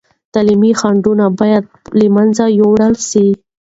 تعلیمي خنډونه باید له منځه یوړل سي.